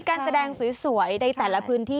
การแสดงสวยในแต่ละพื้นที่